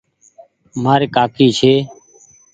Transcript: مآر ڪآڪي ڇي ۔